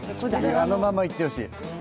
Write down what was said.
あのまま行ってほしい。